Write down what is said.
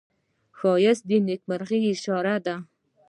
ښایست د نیکمرغۍ اشاره ده